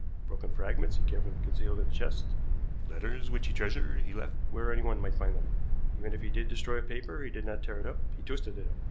Broken fragments he carefully concealed in a chest; letters which he treasured he left where anyone might find them. Even if he did destroy a paper he did not tear it up, he twisted it up.